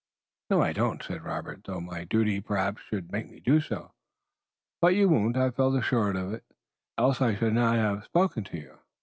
"No, I don't," said Robert, "though my duty, perhaps, should make me do so." "But you won't. I felt assured of it, else I should not have spoken to you."